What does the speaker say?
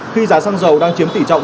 khi giá xăng dầu đang chiếm tỷ trọng